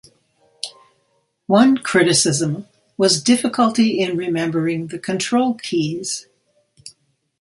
One criticism was difficulty in remembering the control keys.